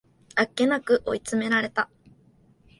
あっけなく追い詰められた